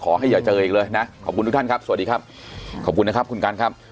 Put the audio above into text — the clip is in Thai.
อย่าเจออีกเลยนะขอบคุณทุกท่านครับสวัสดีครับขอบคุณนะครับคุณกันครับ